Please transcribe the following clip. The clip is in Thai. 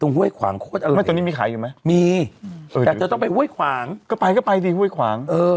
นึกว่าชื่อร้านถังว่าน่าโคตรยำ